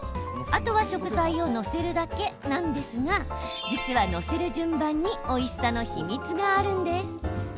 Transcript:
あとは食材を載せるだけなんですが実は載せる順番においしさの秘密があるんです。